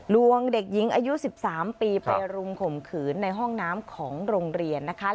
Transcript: วงเด็กหญิงอายุ๑๓ปีไปรุมข่มขืนในห้องน้ำของโรงเรียนนะคะ